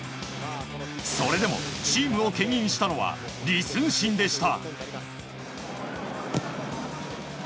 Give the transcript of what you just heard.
それでも、チームを牽引したのはリ・スンシンでした。